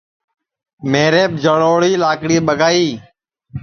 میریپ جݪوݪی لاکڑی ٻگائی